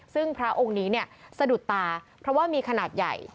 ซึ่งพระองค์นี้เนี่ยสะดุดตาเพราะว่ามีขนาดใหญ่